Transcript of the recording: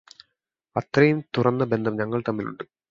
അത്രയും തുറന്ന ബന്ധം ഞങ്ങൾ തമ്മിലുണ്ട്.